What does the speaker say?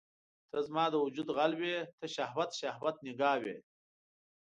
ته زما د وجود غل وې ته شهوت، شهوت نګاه وي